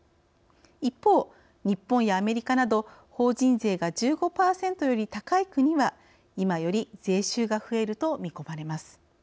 一方、日本やアメリカなど法人税が１５％より高い国は今より税収が増えると見込まれます。